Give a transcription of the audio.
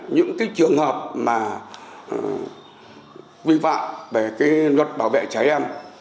những cái trường hợp mà vi phạm về cái luật bảo vệ trẻ em